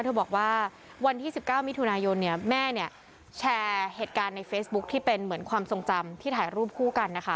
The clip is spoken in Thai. เธอบอกว่าวันที่๑๙มิถุนายนเนี่ยแม่เนี่ยแชร์เหตุการณ์ในเฟซบุ๊คที่เป็นเหมือนความทรงจำที่ถ่ายรูปคู่กันนะคะ